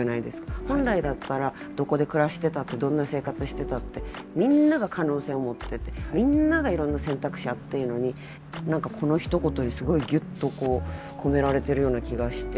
本来だったらどこで暮らしてたってどんな生活してたってみんなが可能性を持ってみんながいろんな選択肢あっていいのに何かこのひと言にすごいぎゅっとこう込められてるような気がして。